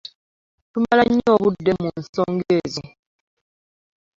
Tumala nnyo obudde mu nsonga ezo.